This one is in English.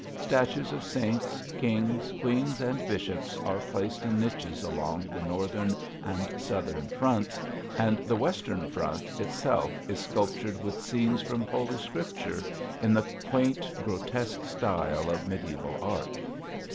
Statues of saints, kings, queens and bishops are placed in niches along the northern and southern fronts, and the western front itself is sculptured with scenes from Holy Scripture in the quaint grotesque style of mediæval art.